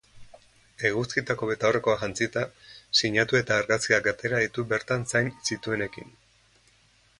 Eguzkitako betaurrekoak jantzita, sinatu eta argazkiak atera ditu bertan zain zituenekin.